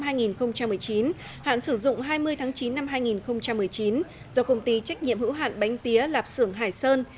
hạn sử dụng hai mươi tháng chín năm hai nghìn một mươi chín do công ty trách nhiệm hữu hạn bánh pía lạp sưởng hải sơn